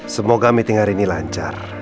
semoga meeting hari ini lancar